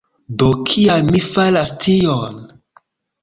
Do kial mi faras tion?